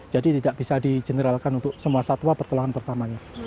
jadi tidak bisa dijeneralkan untuk semua satwa pertolongan pertamanya